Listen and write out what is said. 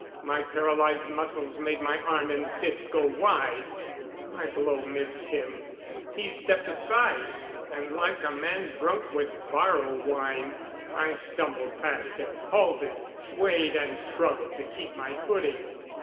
My paralyzed muscles made my arm and fist go wide. My blow missed him; he stepped aside; and like a man drunk with baro wine, I stumbled past him, halted, swayed and struggled to keep my footing.